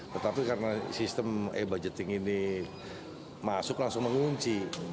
tetapi karena sistem e budgeting ini masuk langsung mengunci